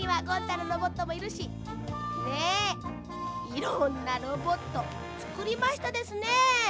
いろんなロボットつくりましたですね。